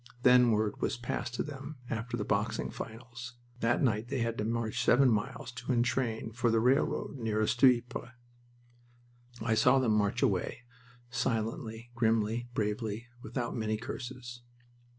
Then word was passed to them after the boxing finals. That night they had to march seven miles to entrain for the railroad nearest to Ypres. I saw them march away, silently, grimly, bravely, without many curses.